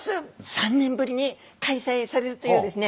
３年ぶりに開催されるというですね